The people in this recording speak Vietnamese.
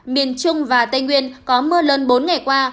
miền trung và tây nguyên có mưa lớn bốn ngày qua